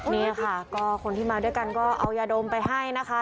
นี่ค่ะก็คนที่มาด้วยกันก็เอายาดมไปให้นะคะ